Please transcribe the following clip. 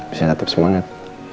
bisa tetap semangat